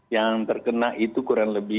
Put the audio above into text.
yang terkena itu kurang lebih